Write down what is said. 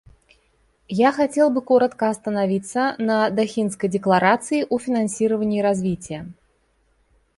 Я хотел бы коротко остановиться на Дохинской декларации о финансировании развития.